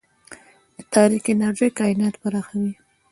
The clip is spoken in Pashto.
د تاریک انرژي کائنات پراخوي.